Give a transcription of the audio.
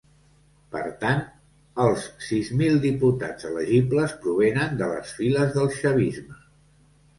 Per tant, els sis mil diputats elegibles provenen de les files del ‘chavisme’.